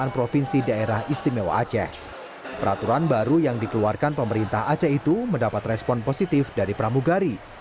peraturan baru yang dikeluarkan pemerintah aceh itu mendapat respon positif dari pramugari